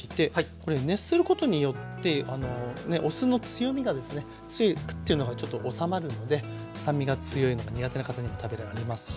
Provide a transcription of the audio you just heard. これ熱することによってお酢の強みがですね強いクッていうのがちょっと収まるので酸味が強いのが苦手な方にも食べられますし。